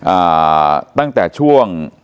อ่าตั้งแต่ช่วง